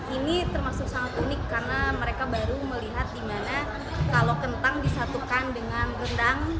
ini termasuk sangat unik karena mereka baru melihat di mana kalau kentang disatukan dengan rendang